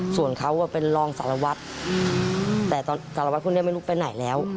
ส่วนเขาก็เป็นรองสารวัฒน์แต่ตอนสารวัฒน์คุณเนี่ยไม่รู้ไปไหนแล้ว